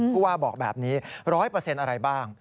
ผู้ว่าบอกแบบนี้๑๐๐อะไรบ้าง